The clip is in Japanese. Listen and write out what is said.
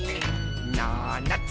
「ななつ